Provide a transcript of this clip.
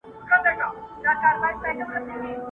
قاضي وکړه فيصله چي دى په دار سي٫